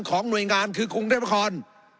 ของหน่วยงานคือกรุงเทพธรรมคอน